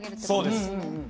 そうです。